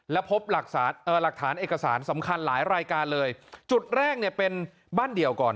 และพบหลักฐานเอกสารสำคัญหลายรายการเลยจุดแรกเนี่ยเป็นบ้านเดี่ยวก่อน